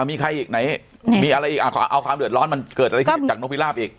มีใครอีกไหนมีอะไรอีกเอาความเดือดร้อนมันเกิดอะไรขึ้นจากนกพิราบอีก